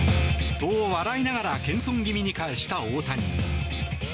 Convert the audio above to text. と、笑いながら謙遜気味に返した大谷。